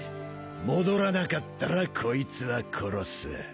戻らなかったらこいつは殺す